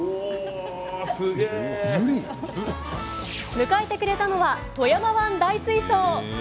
迎えてくれたのは、富山湾大水槽。